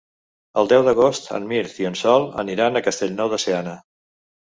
El deu d'agost en Mirt i en Sol aniran a Castellnou de Seana.